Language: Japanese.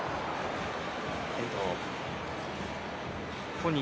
本人